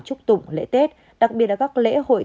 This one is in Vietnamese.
chúc tụng lễ tết đặc biệt là các lễ hội